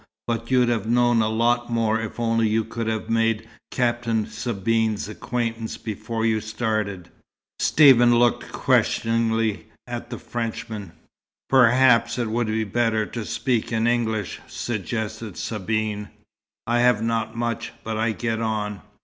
"But you'd have known a lot more if only you could have made Captain Sabine's acquaintance before you started." Stephen looked questioningly at the Frenchman. "Perhaps it would be better to speak in English," suggested Sabine. "I have not much, but I get on.